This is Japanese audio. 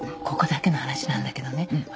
ここだけの話なんだけどね